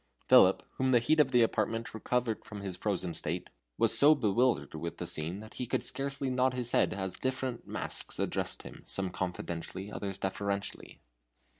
Philip, whom the heat of the apartment recovered from his frozen state, was so bewildered with the scene that he could scarcely nod his head as different masks addressed him, some confidentially, others deferentially.